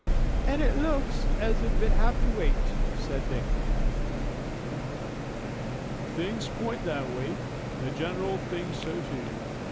"And it looks as if we'd have to wait," said Dick. "Things point that way. The general thinks so, too.